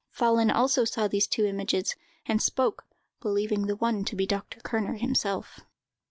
Follen also saw these two images, and spoke, believing the one to be Dr. Kerner himself.